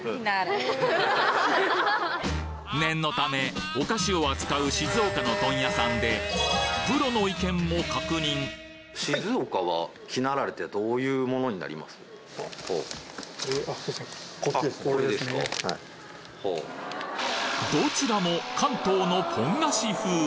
念のためお菓子を扱う静岡の問屋さんでプロの意見も確認どちらも関東のポン菓子風！